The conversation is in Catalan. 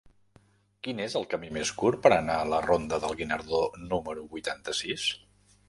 Quin és el camí més curt per anar a la ronda del Guinardó número vuitanta-sis?